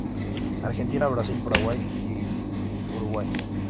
Argentina, Brasil, Paraguay y Uruguay.